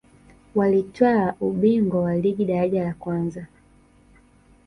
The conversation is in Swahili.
walitwaa ubingwa wa ligi daraja la kwanza